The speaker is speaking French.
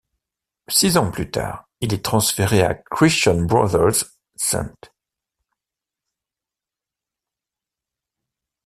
Six ans plus tard, il est transféré à Christian Brothers, St.